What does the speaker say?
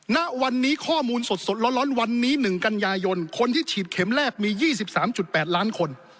ณวันนี้ข้อมูลสดร้อนวันนี้๑กันยายนคนที่ฉีดเข็มแรกมี๒๓๘ล้านคน